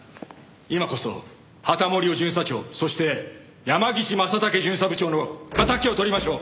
今こそ羽田守雄巡査長そして山岸正武巡査部長の敵を取りましょう！